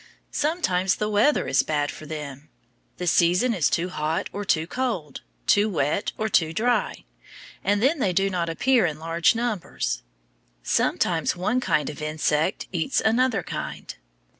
Sometimes the weather is bad for them, the season is too hot or too cold, too wet or too dry, and then they do not appear in large numbers. Sometimes one kind of insect eats another kind.